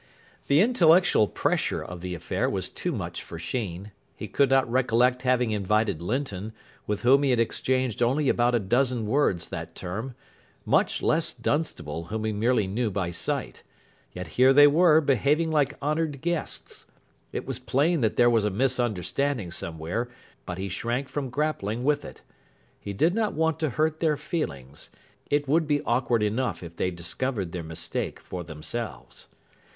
The intellectual pressure of the affair was too much for Sheen. He could not recollect having invited Linton, with whom he had exchanged only about a dozen words that term, much less Dunstable, whom he merely knew by sight. Yet here they were, behaving like honoured guests. It was plain that there was a misunderstanding somewhere, but he shrank from grappling with it. He did not want to hurt their feelings. It would be awkward enough if they discovered their mistake for themselves.